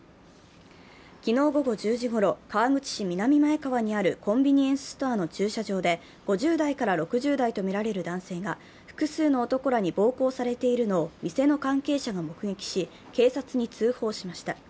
昨日午後１０時ごろ、川口市南前川にあるコンビニエンスストアの駐車場で５０代から６０代とみられる男性が複数の男らに暴行されているのを店の関係者が目撃し、警察に通報しました。